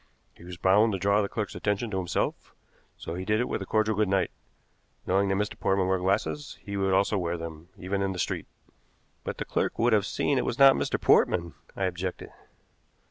He was bound to draw the clerk's attention to himself, so he did it with a cordial good night. Knowing that Mr. Portman wore glasses, he would also wear them, even in the street." "But the clerk would have seen it was not Mr. Portman," I objected.